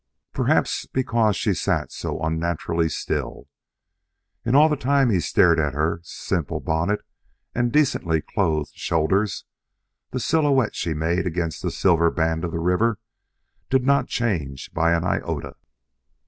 Perhaps because she sat so unnaturally still. In all the time he stared at her simple bonnet and decently clothed shoulders, the silhouette she made against the silver band of the river did not change by an iota.